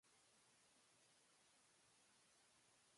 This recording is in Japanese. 明日はどこに行くの？